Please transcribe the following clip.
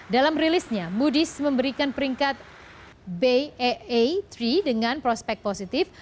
dalam rilisnya moody's memberikan peringkat baa tiga dengan prospek positif